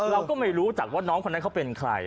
เราก็ไม่รู้จักว่าน้องคนนั้นเขาเป็นใคร